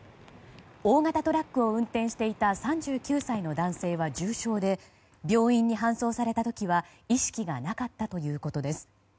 大型トラックを運転していた３９歳の男性は重傷で病院に搬送された時は意識がなかったということです。